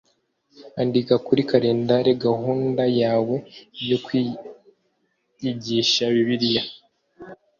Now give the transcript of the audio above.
Andika kuri kalendari gahunda yawe yo kwiyigisha Bibiliya